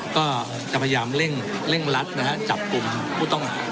ก็จะพยายามเร่งรัดนะฮะจับกลุ่มผู้ต้องหา